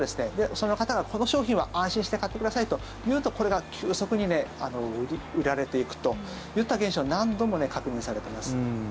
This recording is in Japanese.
その方が、この商品は安心して買ってくださいと言うとこれが急速にね売られていくといった現象何度も確認されてます。